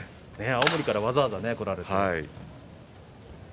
青森からわざわざ来られてね。